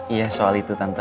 iya soal itu tante